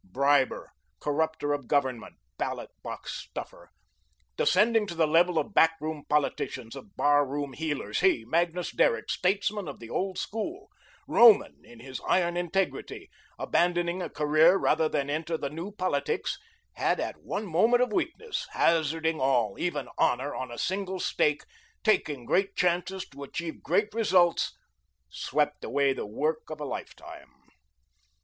Briber, corrupter of government, ballot box stuffer, descending to the level of back room politicians, of bar room heelers, he, Magnus Derrick, statesman of the old school, Roman in his iron integrity, abandoning a career rather than enter the "new politics," had, in one moment of weakness, hazarding all, even honour, on a single stake, taking great chances to achieve great results, swept away the work of a lifetime.